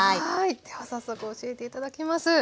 では早速教えて頂きます。